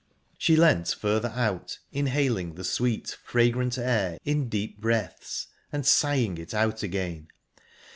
She leant further out, inhaling the sweet, fragrant air in deep breaths, and sighing it out again..."